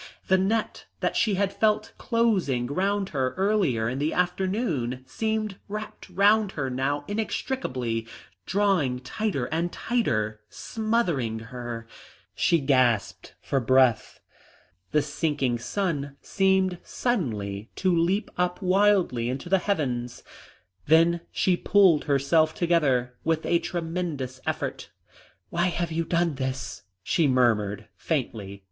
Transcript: The net that she had felt closing round her earlier in the afternoon seemed wrapped round her now inextricably, drawing tighter and tighter, smothering her. She gasped for breath. The sinking sun seemed suddenly to leap up wildly into the heavens; then she pulled herself together with a tremendous effort. "Why have you done this?" she murmured faintly.